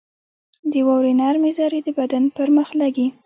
• د واورې نرمې ذرې د بدن پر مخ لګي.